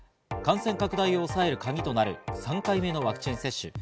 感染拡大を抑えるカギとなる３回目のワクチン接種。